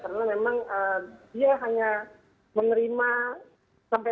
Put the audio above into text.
karena memang dia hanya menerima sampai